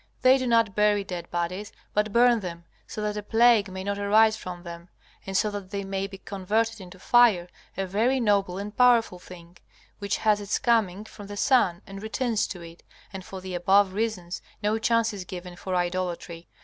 They do not bury dead bodies, but burn them, so that a plague may not arise from them, and so that they may be converted into fire, a very noble and powerful thing, which has its coming from the sun and returns to it. And for the above reasons no chance is given for idolatry.